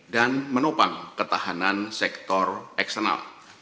dan menopang ketahanan sektor eksternal